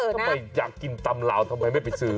ทำไมอยากกินตำลาวทำไมไม่ไปซื้อ